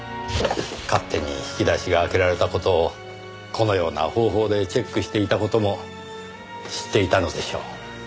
勝手に引き出しが開けられた事をこのような方法でチェックしていた事も知っていたのでしょう。